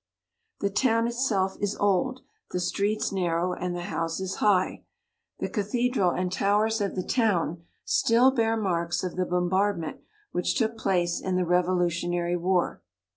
The town itself is old, the streets nar row, and the houses high : the cathe dral and towers of the town still bear marks of the bombardment which took place in the revolutionary war.